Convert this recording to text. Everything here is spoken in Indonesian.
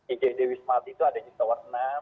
igd wisma atlet itu ada di tower enam